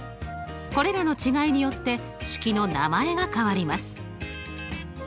これらの違いによって式の名前が変わります。